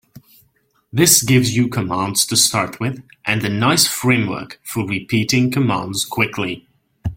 This gives you commands to start with and a nice framework for repeating commands quickly.